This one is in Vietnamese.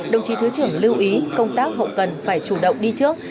đồng chí thứ trưởng lưu ý công tác hậu cần phải chủ động đi trước